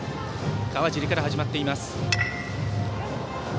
川尻から始まっています。